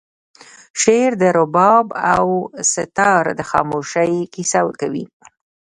شعر د رباب او سیتار د خاموشۍ کیسه کوي